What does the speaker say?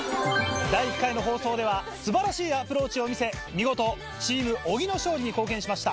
第１回の放送では素晴らしいアプローチを見せ見事チーム小木の勝利に貢献しました。